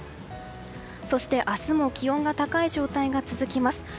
そして明日も気温が高い状態が続きます。